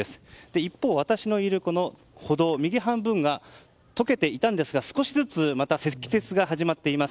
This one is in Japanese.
一方、私のいる歩道右半分が解けていたんですが少しずつ積雪が始まっています。